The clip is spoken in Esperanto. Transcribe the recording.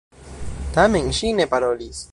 Tamen ŝi ne parolis.